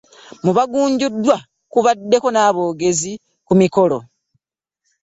Mu baganyuddwa kubaddeko n'aboogezi ku mikolo.